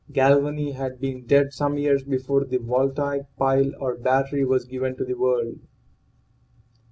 Galvani had been dead some years before the voltaic pile or battery was given to the world.